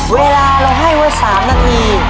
เวลาเราให้ไว้๓นาที